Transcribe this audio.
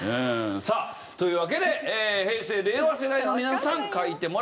さあというわけで平成令和世代の皆さん書いてもらいました。